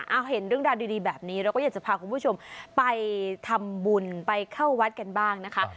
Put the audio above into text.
เอาเห็นเรื่องราวดีแบบนี้เราก็อยากจะพาคุณผู้ชมไปทำบุญไปเข้าวัดกันบ้างนะคะ